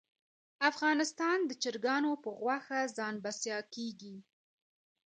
افغانستان د چرګانو په غوښه ځان بسیا کیږي